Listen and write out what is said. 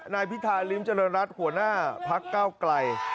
นายพิธาริมเจริญรัฐหัวหน้าพักเก้าไกล